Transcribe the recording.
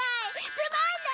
つまんない！